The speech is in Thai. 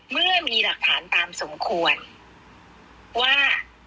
เมื่อมีหลักฐานตามสมควรว่า